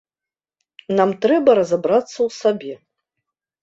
Нам трэба разабрацца ў сабе.